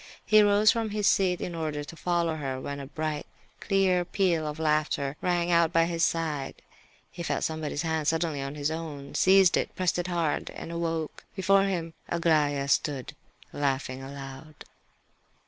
He rose from his seat in order to follow her, when a bright, clear peal of laughter rang out by his side. He felt somebody's hand suddenly in his own, seized it, pressed it hard, and awoke. Before him stood Aglaya, laughing aloud.